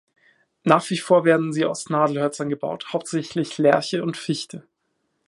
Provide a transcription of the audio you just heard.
Nach wie vor werden sie aus Nadelhölzern gebaut, hauptsächlich Lärche und Fichte.